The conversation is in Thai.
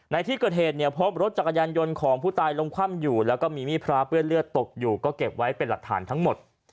ในที่เกิดเหตุเนี่ยพบรถจักรยานยนต์ของผู้ตายลงคว่ำอยู่แล้วก็มีมีดพระเปื้อนเลือดตกอยู่ก็เก็บไว้เป็นหลักฐานทั้งหมด